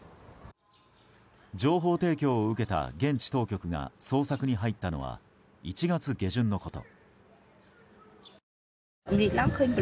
情報提供を受けた現地当局が捜索に入ったのは１月下旬のこと。